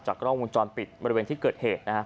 จากกล้องมุมจรปิดบริเวณที่เกิดเหตุนะครับ